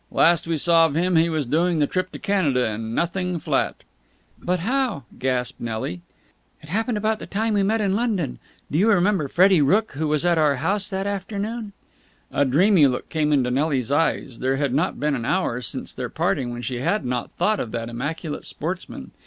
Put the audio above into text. Last we saw of him he was doing the trip to Canada in nothing flat." "But how?" gasped Nelly. "It happened about the time we met in London. Do you remember Freddie Rooke, who was at our house that afternoon?" A dreamy look came into Nelly's eyes. There had not been an hour since their parting when she had not thought of that immaculate sportsman.